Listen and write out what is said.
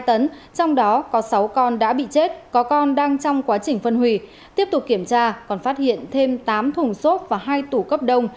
trong đó có sáu con đã bị chết có con đang trong quá trình phân hủy tiếp tục kiểm tra còn phát hiện thêm tám thùng xốp và hai tủ cấp đông